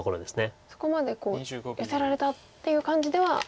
そこまでヨセられたっていう感じではない。